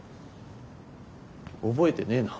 覚えてねえな。